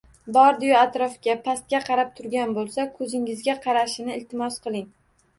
Bordi-yu atrofga, pastga qarab turgan bo‘lsa, ko‘zingizga qarashini iltimos qiling.